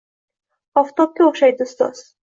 Oftobga o‘xshaydi ustoz